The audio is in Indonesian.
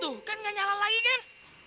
tuh kan gak nyala lagi kan